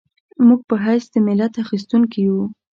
موږ په حیث د ملت اخیستونکي یو.